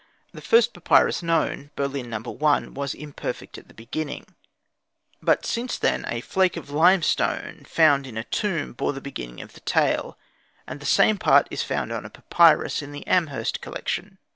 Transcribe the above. The first papyrus known (Berlin No. 1) was imperfect at the beginning; but since then a flake of limestone found in a tomb bore the beginning of the tale, and the same part is found on a papyrus in the Amherst collection.